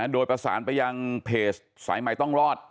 โดยประสานไปยังเพจสายใหม่ต้องรอด